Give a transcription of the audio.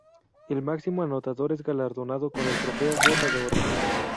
El máximo anotador es galardonado con el trofeo "Bota de Oro".